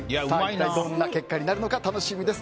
一体どんな結果になるのか楽しみです。